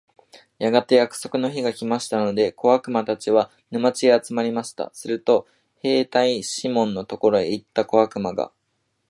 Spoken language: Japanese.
やがて約束の日が来ましたので、小悪魔たちは、沼地へ集まりました。すると兵隊シモンのところへ行った小悪魔が、